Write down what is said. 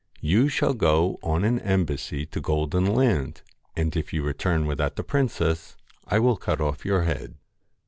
You shall go on an embassy to Golden Land ; and if you return without the princess, I will cut off your head.'